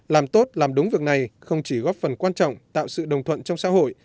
làm tốt làm đúng việc này không chỉ góp phần quan trọng tạo sự đồng thuận trong xã hội